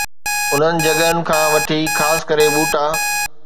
انهن جڳهن کان وٺي خاص ڪري ٻوٽا